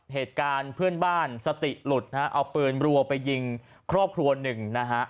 เหตุการณ์เพื่อนบ้านสติหลุดนะฮะเอาปืนรัวไปยิงครอบครัวหนึ่งนะฮะ